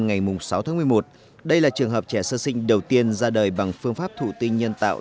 ngày sáu tháng một mươi một đây là trường hợp trẻ sơ sinh đầu tiên ra đời bằng phương pháp thủ tinh nhân tạo